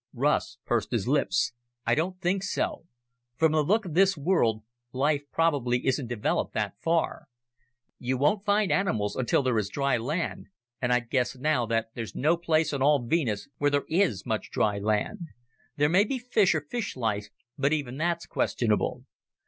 Russ pursed his lips. "I don't think so. From the look of this world, life probably isn't developed that far. You won't find animals until there is dry land and I'd guess now that there's no place on all Venus where there is much dry land. There may be fish or fish life, but even that's questionable.